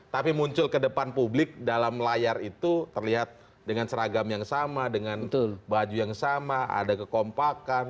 tapi muncul ke depan publik dalam layar itu terlihat dengan seragam yang sama dengan baju yang sama ada kekompakan